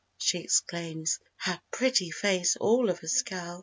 she exclaims, her pretty face all of a scowl.